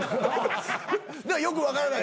よく分からない。